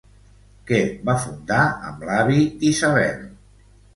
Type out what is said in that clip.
Què va fundar amb l'avi d'Isabel?